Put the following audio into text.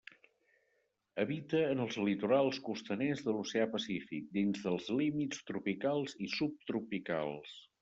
Habita en els litorals costaners de l'Oceà Pacífic, dins dels límits tropicals i subtropicals.